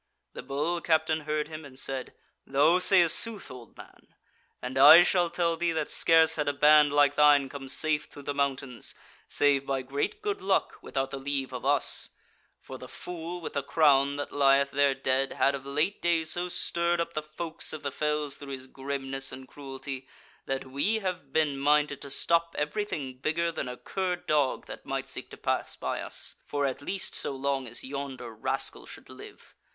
The Bull captain heard him and said: "Thou sayest sooth, old man; and I shall tell thee that scarce had a band like thine come safe through the mountains, save by great good luck, without the leave of us; for the fool with the crown that lieth there dead had of late days so stirred up the Folks of the Fells through his grimness and cruelty that we have been minded to stop everything bigger than a cur dog that might seek to pass by us, for at least so long as yonder rascal should live.